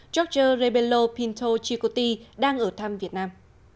george rebello pinto chikoti đang ở thăm việt nam